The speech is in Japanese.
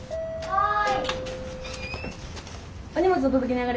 はい。